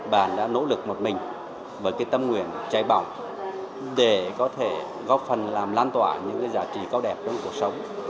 bạn đã nỗ lực một mình với cái tâm nguyện cháy bỏng để có thể góp phần làm lan tỏa những giá trị cao đẹp trong cuộc sống